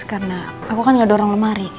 karena aku kan gak dorong lemari